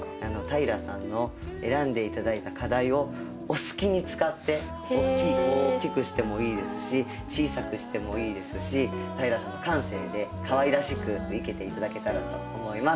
平さんの選んで頂いた花材をお好きに使って大きいこう大きくしてもいいですし小さくしてもいいですし平さんの感性でかわいらしく生けて頂けたらと思います。